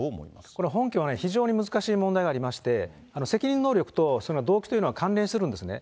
これ、本件は非常に難しい問題がありまして、責任能力とその動機というのは関連するんですね。